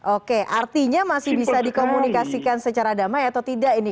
oke artinya masih bisa dikomunikasikan secara damai atau tidak ini